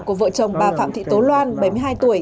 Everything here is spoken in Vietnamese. của vợ chồng bà phạm thị tố loan bảy mươi hai tuổi